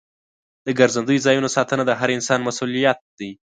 د ګرځندوی ځایونو ساتنه د هر انسان مسؤلیت دی.